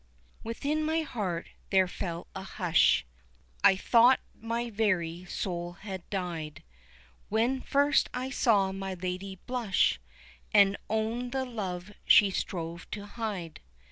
Within my heart there fell a hush, I thought my very soul had died, When first I saw my lady blush And own the love she strove to hide.